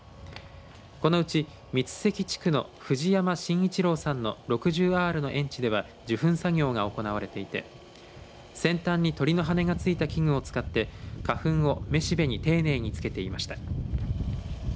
このうち三関地区の藤山真一郎さんの６０アールの園地では授粉作業が行われていて先端に鳥の羽が付いた器具を使って花粉をめしべに丁寧に付けていました。